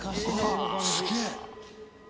すげえ！